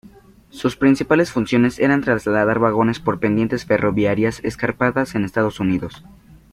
Sus principales funciones eran trasladar vagones por pendientes ferroviarias escarpadas en Estados Unidos.